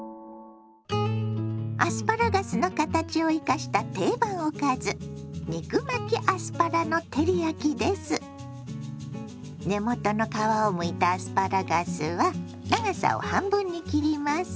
アスパラガスの形を生かした定番おかず根元の皮をむいたアスパラガスは長さを半分に切ります。